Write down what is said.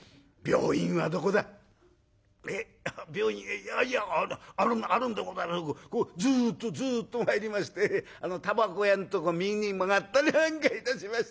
いやいやあるんでございますがずっとずっと参りましてたばこ屋のとこ右に曲がったりなんかいたしましてあの屋根のある」。